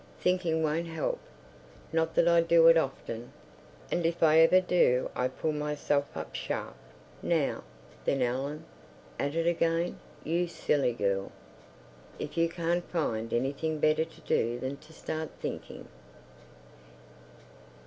Thinking won't help. Not that I do it often. And if ever I do I pull myself up sharp, "Now, then, Ellen. At it again—you silly girl! If you can't find anything better to do than to start thinking!..."